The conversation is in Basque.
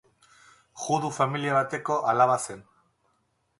Judu familia bateko alaba zen.